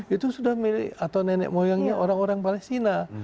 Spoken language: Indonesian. itu sudah milik atau nenek moyangnya orang orang palestina